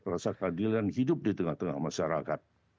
rasa keadilan hidup di tengah tengah masyarakat